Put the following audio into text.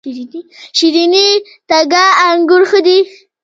شیرین تګاب انګور ښه دي؟